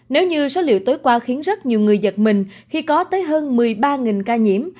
nếu như số liệu tối qua khiến rất nhiều người giật mình khi có tới hơn một mươi ba ca nhiễm